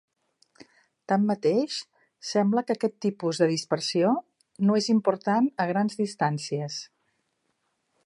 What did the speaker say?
Tanmateix, sembla que aquest tipus de dispersió no és important a grans distàncies.